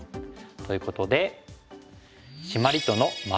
ということで。